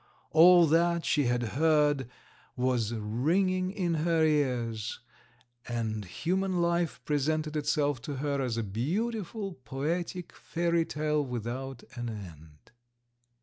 All that she had heard was ringing in her ears, and human life presented itself to her as a beautiful poetic fairy tale without an end.